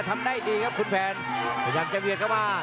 ทำได้ดีครับคุณแพนพยายามจะเบียดเข้ามา